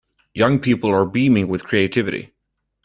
Young people are beaming with creativity.